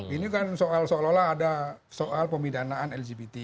ini kan soal seolah olah ada soal pemidanaan lgbt